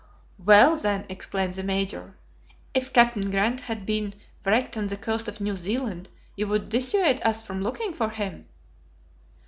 "Well, then," exclaimed the Major, "if Captain Grant had been wrecked on the coast of New Zealand, you would dissuade us from looking for him."